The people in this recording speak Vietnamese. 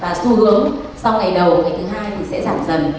và xu hướng sau ngày đầu ngày thứ hai thì sẽ giảm dần